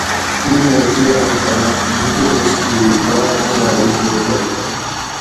اینیں کیر اوں خلق مجلس تھی باۤر کاۤ اِزدہ کۤردہ